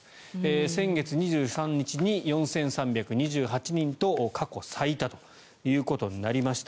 先月２３日に４３２８人と過去最多ということになりました。